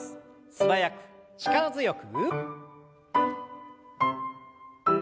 素早く力強く。